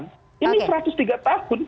ini satu ratus tiga tahun